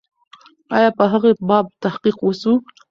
آیا په هغې باب تحقیق و سو؟